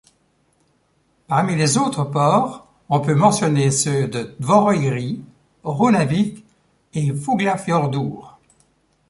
Parmi les autres ports, on peut mentionner ceux de Tvoroyri, Runavik et Fuglafjordhur.